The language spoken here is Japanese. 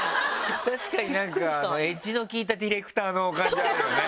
確かになんかエッジの利いたディレクターの感じあるよね。